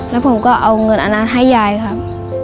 แล้วผมก็เอาเงินอันนั้นให้ยายครับ